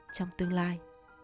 trong tương lai